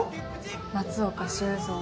松岡修造